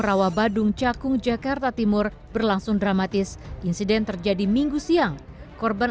rawa badung cakung jakarta timur berlangsung dramatis insiden terjadi minggu siang korban